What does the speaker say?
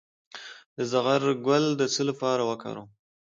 د زغر ګل د څه لپاره وکاروم؟